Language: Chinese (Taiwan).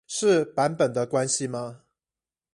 是版本的關係嗎？